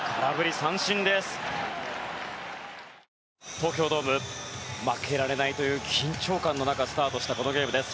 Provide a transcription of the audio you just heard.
東京ドーム負けられないという緊張感の中スタートしたこのゲームです。